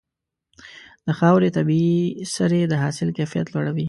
د خاورې طبيعي سرې د حاصل کیفیت لوړوي.